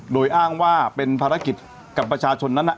โดยอ้างว่าเป็นภารกิจกับประชาชนนั้น